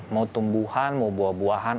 mau tumbuhan mau buah buahan